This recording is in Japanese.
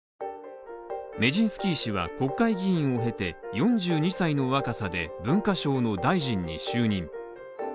メジンスキー氏は国会議員を経て４２歳の若さで文化省の大臣に就任。